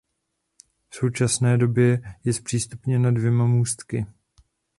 V současně době je zpřístupněna dvěma můstky.